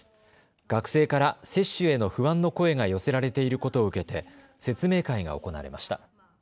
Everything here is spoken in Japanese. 学生から接種への不安の声が寄せられていることを受けて説明会が行われました。